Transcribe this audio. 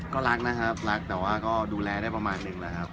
ก็รักนะครับรักแต่ว่าก็ดูแลได้ประมาณนึงแล้วครับ